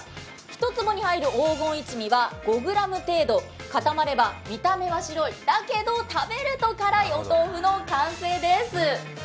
一坪に入る黄金一味は５ｇ程度固まれば見た目は白い、だけど食べると辛いお豆腐の完成です。